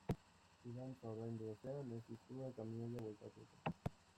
Fidantza ordaindu ezean ez dizute kamioia bueltatuko.